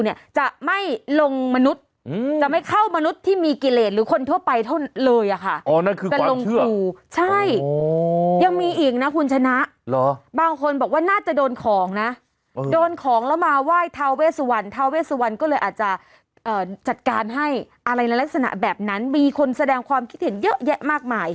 ยังมีอีกนะคุณชนะบางคนบอกว่าน่าจะโดนของนะโดนของแล้วมาไหว้ทาเวสวรรค์ทาเวสวรรค์ก็เลยอาจจะจัดการให้อะไรลักษณะแบบนั้นมีคนแสดงความคิดเห็นเยอะแยะมากมาย